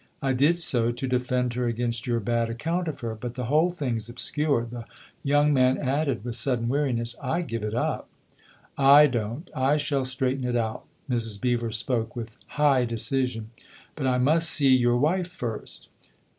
" I did so to defend her against your bad account of her. But the whole thing's obscure/' the young man added with sudden weariness. " I give it up !" "I don't I shall straighten it out." Mrs. Beever spoke with high decision. "But I must see your wife first."